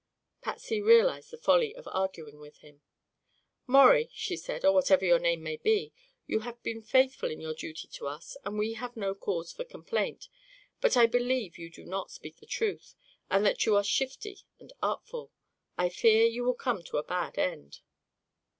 Patsy realized the folly of arguing with him. "Maurie," said she, "or whatever your name may be, you have been faithful in your duty to us and we have no cause for complaint. But I believe you do not speak the truth, and that you are shifty and artful. I fear you will come to a bad end."